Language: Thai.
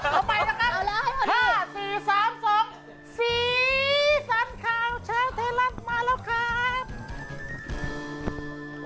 เอาแล้วเอาเลยห้าสี่สามสองสีสันข่าวเช้าเทยรักมาแล้วครับ